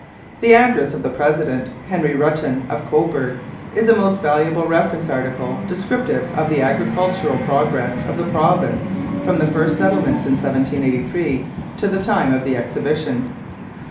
The address of the president, Henry Ruttan of Cobourg, is a most valuable reference article descriptive of the agricultural progress of the province from the first settlements in 1783 to the time of the exhibition.